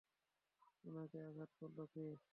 উনাকে আঘাত করল কে?